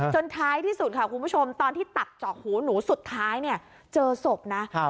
ท้ายที่สุดค่ะคุณผู้ชมตอนที่ตักจอกหูหนูสุดท้ายเนี่ยเจอศพนะ